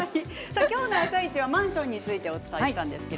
今日の「あさイチ」はマンションについてお伝えしました。